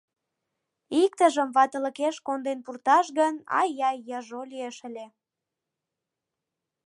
Иктыжым ватылыкеш конден пурташ гын, ай-яй, яжо лиеш ыле.